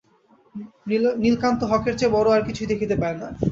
নীলকান্ত হকের চেয়ে বড়ো আর কিছুই দেখিতে পায় না।